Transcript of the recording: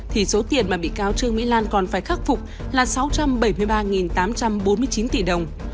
thì số tiền mà bị cáo trương mỹ lan còn phải khắc phục là sáu trăm bảy mươi ba tám trăm bốn mươi chín tỷ đồng